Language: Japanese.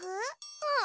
うん。